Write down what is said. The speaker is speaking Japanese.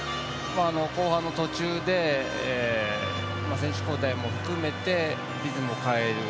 後半の途中で選手交代も含めてリズムを変える。